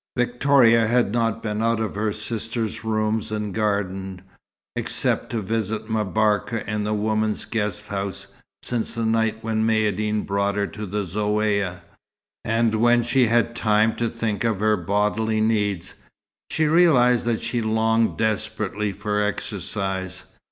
Victoria had not been out of her sister's rooms and garden, except to visit M'Barka in the women's guest house, since the night when Maïeddine brought her to the Zaouïa; and when she had time to think of her bodily needs, she realized that she longed desperately for exercise.